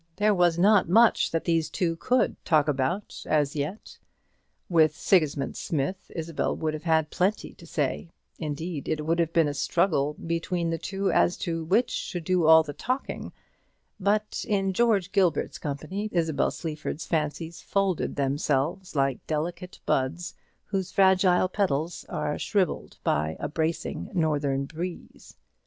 There was not much that these two could talk about as yet. With Sigismund Smith, Isabel would have had plenty to say; indeed, it would have been a struggle between the two as to which should do all the talking; but in George Gilbert's company Isabel Sleaford's fancies folded themselves like delicate buds whose fragile petals are shrivelled by a bracing northern breeze.